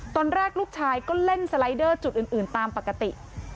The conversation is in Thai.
ตอนแรกลูกชายก็เล่นสไลเดอร์จุดอื่นตามปกติ